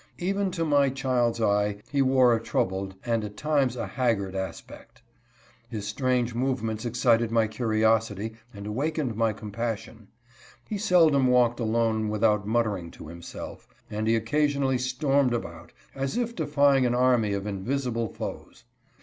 Even to my child's eye he wore a troubled and at times a haggard aspect. His strange movements excited my curiosity and awakened my compassion. He seldom walked alone without muttering to himself, and he occa sionally stormed about as if defying an army of invisible foes.